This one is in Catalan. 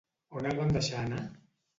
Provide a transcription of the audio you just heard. On el van deixar anar?